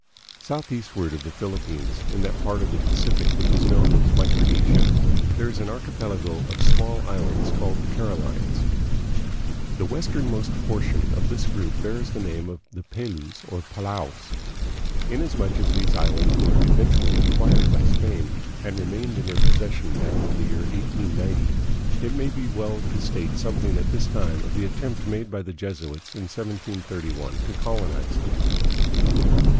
Southeastward of the Philippines, in that part of the Pacific which is known as Micronesia, there is an archipelago of small islands called the Carolines. The westernmost portion of the group bears the name of the Pelews, or Palaos. In asmuch as these islands were eventually acquired by Spain and remained in her possession down to the year 1890, it may be well to state something at this time of the attempt made by the Jesuits in 1731 to colonize them.